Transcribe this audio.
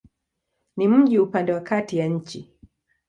Ni mji upande wa kati ya nchi.